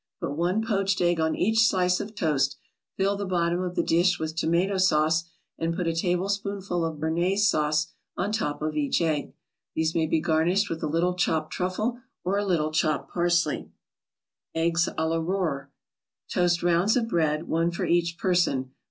Put one poached egg on each slice of toast, fill the bottom of the dish with tomato sauce and put a tablespoonful of Bernaise sauce on top of each egg. These may be garnished with a little chopped truffle, or a little chopped parsley. EGGS A LA RORER Toast rounds of bread, one for each person.